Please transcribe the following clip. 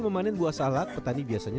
memanen buah salak petani biasanya